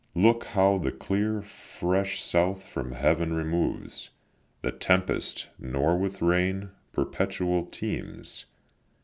Look how the clear fresh south from heaven removes The tempest, nor with rain perpetual teems!